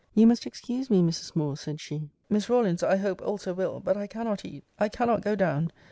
You must excuse me, Mrs. Moore, said she. Miss Rawlins I hope also will but I cannot eat I cannot go down.